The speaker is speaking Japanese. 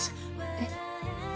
えっ？